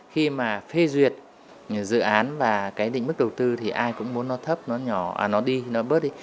khi mà phê duyệt dự án và cái định mức đầu tư thì ai cũng muốn nó thấp nó nhỏ nó đi nó bớt đi